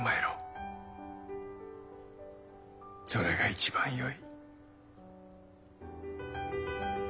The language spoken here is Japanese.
それが一番よい。